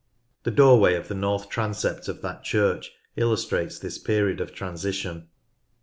The doorway of the north transept of that church illustrates this period of transition.